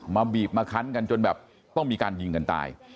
บีบมาคันกันจนแบบต้องมีการยิงกันตาย